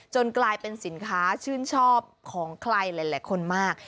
กลายเป็นสินค้าชื่นชอบของใครหลายคนมาก